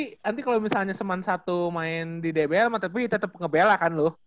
nanti kalau misalnya sma satu main di dbl mah tetep nge bela kan lu